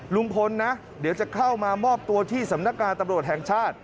ลุงพลนะเดี๋ยวจะเข้ามามอบตัวที่สำนักงานตำรวจแห่งชาติ